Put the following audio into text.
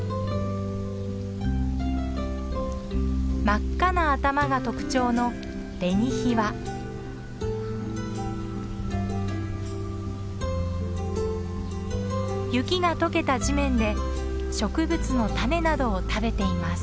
真っ赤な頭が特徴の雪が解けた地面で植物の種などを食べています。